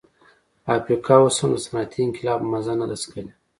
افریقا اوس هم د صنعتي انقلاب مزه نه ده څکلې.